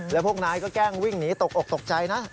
แล้วพวกนายก็แกล้งวิ่งหนีตกอกตกใจนะ